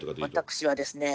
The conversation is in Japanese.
私はですね